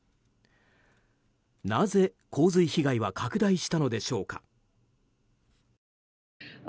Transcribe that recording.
なぜ、洪水被害は拡大したのでしょうか。